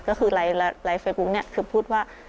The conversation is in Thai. ก็คือไลฟ์เฟซบุ๊กเนี่ยคือพูดว่า